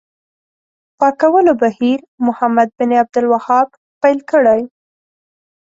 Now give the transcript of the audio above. پاکولو بهیر محمد بن عبدالوهاب پیل کړی.